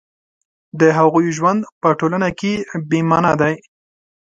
د هغوی ژوند په ټولنه کې بې مانا دی